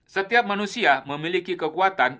setiap manusia memiliki kekuatan